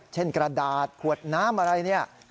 เช่นกระดาษขวดน้ำอะไรนี่